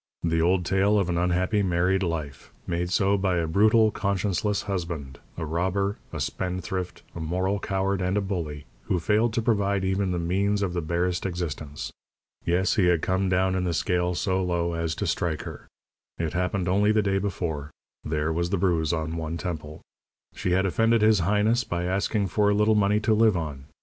The old tale of an unhappy married life made so by a brutal, conscienceless husband, a robber, a spendthrift, a moral coward and a bully, who failed to provide even the means of the barest existence. Yes, he had come down in the scale so low as to strike her. It happened only the day before there was the bruise on one temple she had offended his highness by asking for a little money to live on.